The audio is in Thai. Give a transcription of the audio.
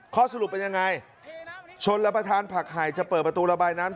ข้อสรุปเป็นยังไงชนรับประทานผักไห่จะเปิดประตูระบายน้ำ